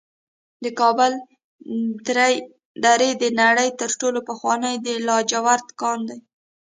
د کابل درې د نړۍ تر ټولو پخوانی د لاجورد کان دی